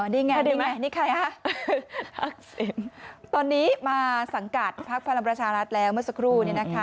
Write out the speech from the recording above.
นี่ไงนี่ไงนี่ใครฮะทักศิลป์ตอนนี้มาสังกัดพักฟังรัชารัฐแล้วเมื่อสักครู่นี้นะคะ